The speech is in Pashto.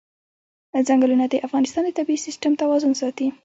ځنګلونه د افغانستان د طبعي سیسټم توازن ساتي.